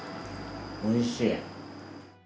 おいしい。